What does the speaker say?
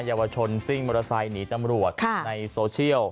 เยาวชนซิ่งมอเตอร์ไซค์หนีตำรวจในโซเชียล